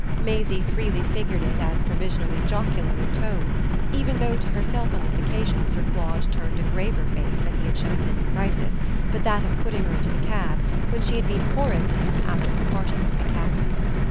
Maisie freely figured it as provisionally jocular in tone, even though to herself on this occasion Sir Claude turned a graver face than he had shown in any crisis but that of putting her into the cab when she had been horrid to him after her parting with the Captain.